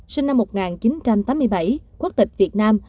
sinh năm một nghìn chín trăm tám mươi bảy quốc tịch việt nam